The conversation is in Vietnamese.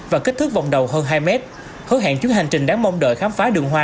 và kích thước vòng đầu hơn hai mét hứa hẹn trước hành trình đáng mong đợi khám phá đường hoa